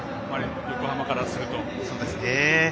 横浜からすると。